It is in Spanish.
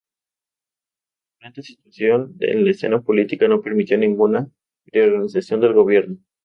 La turbulenta situación en la escena política no permitió ninguna reorganización del gobierno.